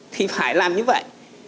thì phải làm như vậy